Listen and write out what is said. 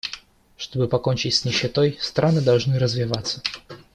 Чтобы покончить с нищетой, страны должны развиваться.